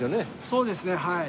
そうですねはい。